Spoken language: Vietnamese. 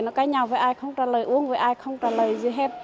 nó cái nhau với ai không trả lời uống với ai không trả lời gì hết